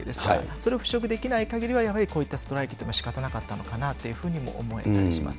それを払拭できないかぎりは、こういったストライキというのはしかたなかったのかなというふうにも思い立ちます。